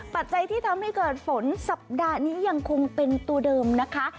ปัจจัยที่ทำให้เกิดฝนสัปดาห์นี้ยังคงเป็นตัวเดิมนะคะ